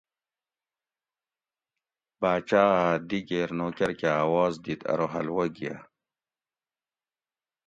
باۤچاۤ اۤ دیگیر نوکر کہۤ اواز دِت ارو حلوہ گیہ